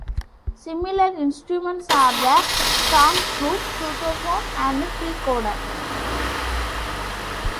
Similar instruments are the Song Flute, Flutophone, and Precorder.